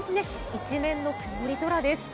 一面の曇り空です。